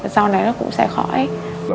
sau này nó cũng sẽ khỏi